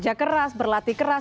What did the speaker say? berlatih keras berlatih keras